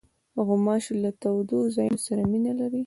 غوماشې له تودو ځایونو سره مینه لري.